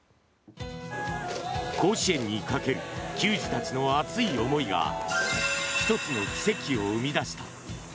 甲子園にかける球児たちの熱い思いが１つの奇跡を生み出した。